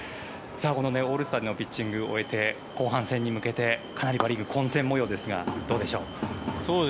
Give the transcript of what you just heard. このオールスターでのピッチングを終えて後半戦に向けてかなり混戦模様ですがどうでしょうか。